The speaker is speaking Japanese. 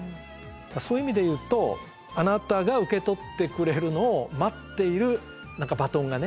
そういう意味で言うとあなたが受け取ってくれるのを待っている何かバトンがね